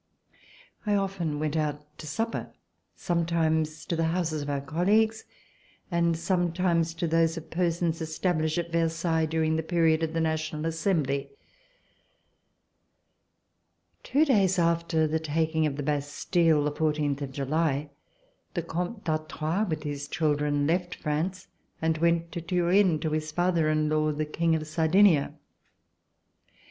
I often went out to supper — sometimes to the houses of our colleagues, and sometimes to those of persons established at Versailles during the period of the National Assembly. Two days after the taking of the Bastille, the fourteenth of July, the Comte d'Artois, with his children, left France and went to Turin to his father in law, the King of Sardinia.